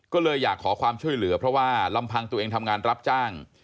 ก็เลยอยากขอความช่วยเหลือเพราะว่าลำพังตัวเองทำงานรับจ้าง